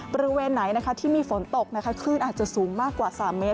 บริเวณไหนที่มีฝนตกคลื่นอาจจะสูงมากกว่า๓เมตร